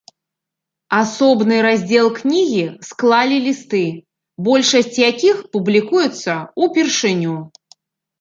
Асобны раздзел кнігі склалі лісты, большасць якіх публікуецца ўпершыню.